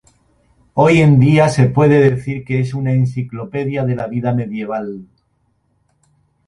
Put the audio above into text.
Hoy en día se puede decir que es una enciclopedia de la vida medieval.